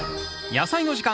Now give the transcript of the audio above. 「やさいの時間」